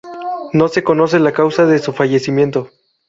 No se conocen la causa de su fallecimiento.